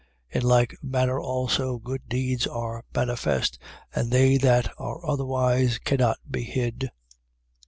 5:25. In like manner also good deeds are manifest: and they that are otherwise cannot be hid.